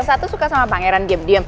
satu suka sama bangeran diem diem